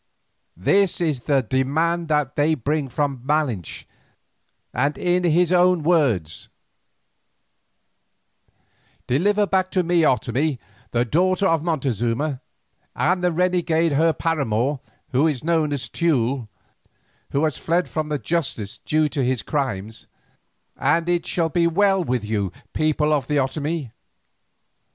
This is the demand that they bring from Malinche, and in his own words: "'Deliver back to me Otomie, the daughter of Montezuma, and the renegade her paramour, who is known as Teule, and who has fled from the justice due to his crimes, and it shall be well with you, people of the Otomie.